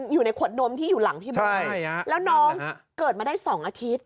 อยู่ในขวดนมที่อยู่หลังพี่เบิร์ตแล้วน้องเกิดมาได้๒อาทิตย์